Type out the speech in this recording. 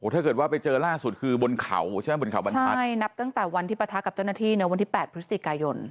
ถ้าเกิดว่าไปเจอล่าสุดคือบนเขาใช่ไหมบนเขาบรรทัศน์ใช่นับตั้งแต่วันที่ปะทะกับเจ้าหน้าที่นะวันที่๘พฤศจิกายน